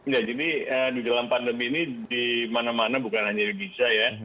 ya jadi di dalam pandemi ini di mana mana bukan hanya di indonesia ya